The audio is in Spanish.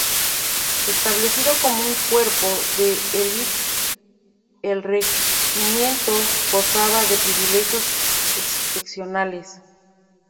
Establecido como un cuerpo de elite, el regimiento gozaba de privilegios excepcionales.